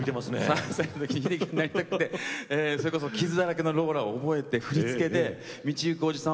３歳の時秀樹になりたくてそれこそ「傷だらけのローラ」を覚えて振り付けで道行くおじさん